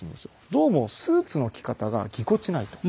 どうもスーツの着方がぎこちないと。